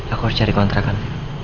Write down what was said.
aku harus cari kontrakan